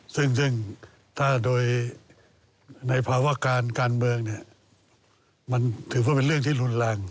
ซึ่งถ้าโดยในภาวะการการเมืองมันถือว่าเป็นเรื่องที่รุนแรง